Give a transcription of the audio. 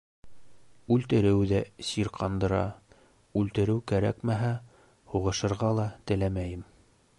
Үлтереү ҙә сирҡандыра, үлтереү кәрәкмәһә, һуғышырға ла теләмәйем.